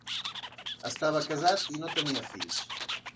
Estava casat i no tenia fills.